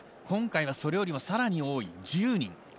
今回はそれよりもさらに多い１０人。